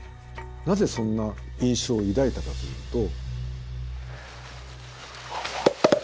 なぜそんな印象を抱いたかというと。